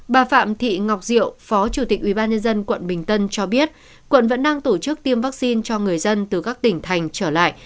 bà phạm thị ngọc diệu phó chủ tịch ubnd quận bình tân cho biết quận vẫn đang tổ chức tiêm vaccine cho người dân từ các tỉnh thành trở lại